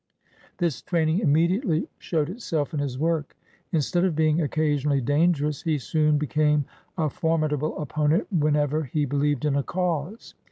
This training immediately showed itself in his work. Instead of being occasionally dangerous, he soon became a formidable opponent whenever he believed in a cause.